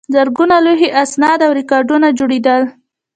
زرګونه لوحې، اسناد او ریکارډونه جوړېدل.